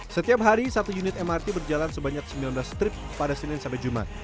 setiap hari satu unit mrt berjalan sebanyak sembilan belas trip pada senin sampai jumat